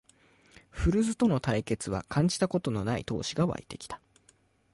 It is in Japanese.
古巣との対決は感じたことのない闘志がわいてきた